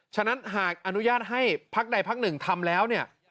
ฉะนั้นหากอนุญาตให้พักใดพักหนึ่งทำแล้วเนี่ย